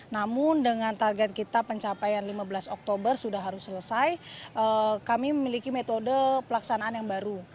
namun dengan target kita pencapaian lima belas oktober sudah harus selesai kami memiliki metode pelaksanaan yang baru